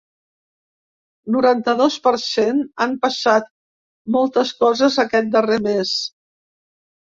Noranta-dos per cent Han passat moltes coses aquest darrer mes.